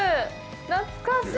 懐かしい。